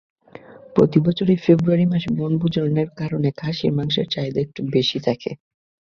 প্রতিবছরই ফেব্রুয়ারি মাসে বনভোজনের কারণে খাসির মাংসের চাহিদা একটু বেশি থাকে।